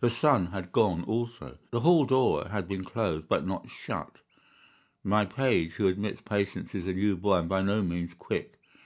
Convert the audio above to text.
The son had gone also. The hall door had been closed, but not shut. My page who admits patients is a new boy and by no means quick.